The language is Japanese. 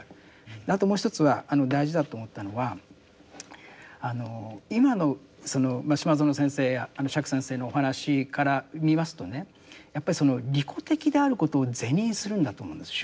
あともう一つは大事だと思ったのはあの今のその島薗先生や釈先生のお話から見ますとねやっぱりその利己的であることを是認するんだと思うんです宗教が。